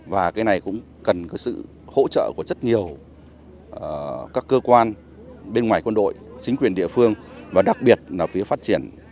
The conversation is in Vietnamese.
và cái này cũng cần sự hỗ trợ của rất nhiều các cơ quan bên ngoài quân đội chính quyền địa phương và đặc biệt là phía phát triển